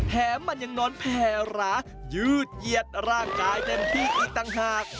แถมมันยังนอนแผ่หร้ายืดเหยียดร่างกายเต็มที่อีกต่างหาก